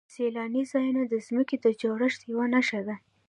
سیلاني ځایونه د ځمکې د جوړښت یوه نښه ده.